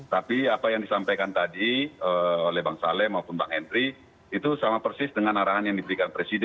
tapi apa yang disampaikan tadi oleh bang saleh maupun bang henry itu sama persis dengan arahan yang diberikan presiden